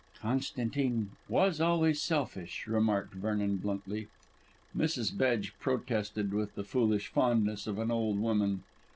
"Constantine was always selfish," remarked Vernon bluntly. Mrs. Bedge protested with the foolish fondness of an old woman.